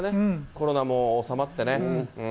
コロナも収まってね。